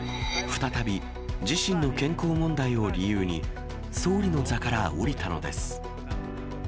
再び自身の健康問題を理由に、総理の座から降りたのです。